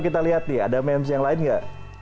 kita lihat nih ada mem yang lainnya